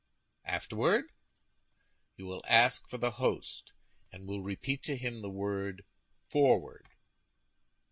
"Afterward?" "You will ask for the host, and will repeat to him the word 'Forward!